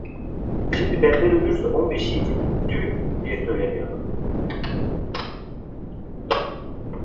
Şimdi berber ölürse on beşi yiyecek. Tüh… diye söyleniyordu.